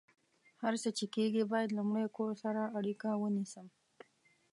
هر څه چې کیږي، باید لمړۍ کور سره اړیکه ونیسم